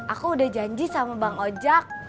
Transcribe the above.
aku udah janji sama bang ojek